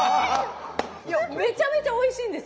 めちゃめちゃおいしいんです。